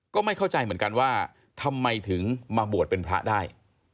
ก็ไม่เข้าใจเหมือนกันว่าทำไมถึงมาบวชเป็นพระได้